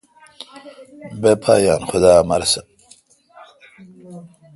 بہ پا یان خدا امر آس تہ۔